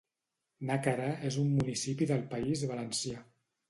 Nàquera és un municipi del País Valencià.